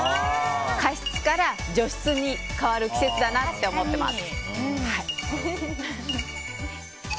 加湿から除湿に変わる季節だなって思ってます。